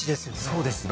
そうですね